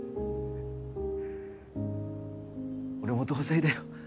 俺も同罪だよ。